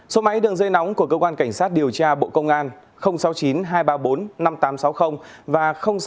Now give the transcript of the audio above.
số máy đường dây nóng của cơ quan cảnh sát điều tra bộ công an sáu mươi chín hai trăm ba mươi bốn năm nghìn tám trăm sáu mươi và sáu mươi chín hai trăm ba mươi một một nghìn sáu trăm